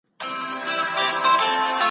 شتمن خلګ بايد د بې وزلو لاسنيوی وکړي.